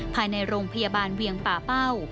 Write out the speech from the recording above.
ภายในโรงพยาบาลเวียงป่าเป้า